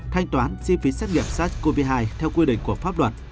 thanh toán chi phí xét nghiệm sars cov hai theo quy định của pháp luật